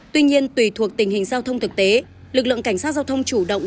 tuy nhiên tùy thuộc tình hình giao thông thực tế lực lượng cảnh sát giao thông chủ động